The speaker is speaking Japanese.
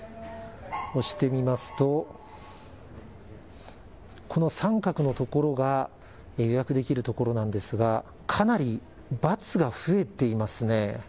押してみますとこの三角のところが予約できるところなんですがかなり×が増えていますね。